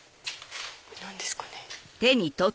何ですかね？